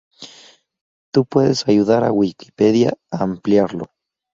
Tu Puedes ayudar a Wikipedia a ampliarlo"